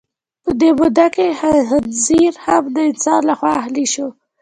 په دې موده کې خنزیر هم د انسان لخوا اهلي شو.